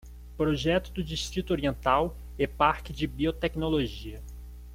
Projeto do Distrito Oriental e Parque de Biotecnologia